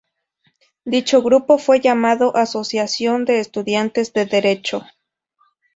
Dicho grupo fue llamado Asociación de Estudiantes de Derecho.